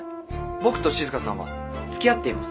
僕と静さんはつきあっています。